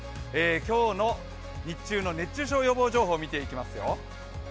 今日の日中の熱中症予防情報を見ていきますよ。